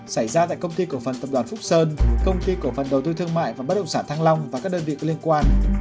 xảy ra tại công ty cổ phần tập đoàn phúc sơn công ty cổ phần đầu tư thương mại và bất động sản thăng long và các đơn vị liên quan